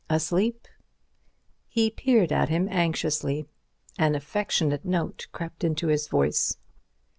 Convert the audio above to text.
Asleep?" He peered at him anxiously. An affectionate note crept into his voice.